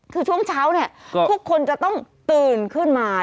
คือช่วงเช้าเนี่ยทุกคนจะต้องตื่นขึ้นมา